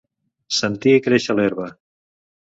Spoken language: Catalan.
Sentir créixer l'herba.